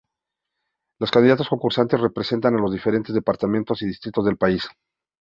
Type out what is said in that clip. Las candidatas concursantes representan a los diferentes departamentos y distritos del país.